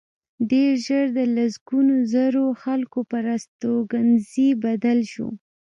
ډېر ژر د لسګونو زرو خلکو پر استوګنځي بدل شو